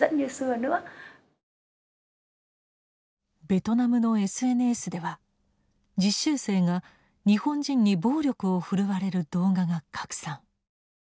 ベトナムのＳＮＳでは実習生が日本人に暴力を振るわれる動画が拡散。